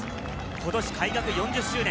今年開学４０周年。